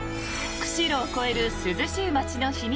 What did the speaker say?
釧路を超える涼しい街の秘密